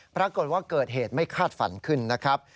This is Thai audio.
ปรากฏว่าเกิดเหตุไม่คาดฝันขึ้นนะครับ